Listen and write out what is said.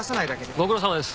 ご苦労さまです。